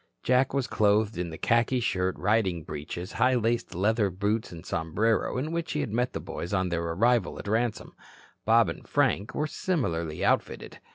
Jack was clothed in the khaki shirt, riding breeches, high laced leather boots and sombrero in which he had met the boys on their arrival at Ransome. Bob and Frank were similarly outfitted.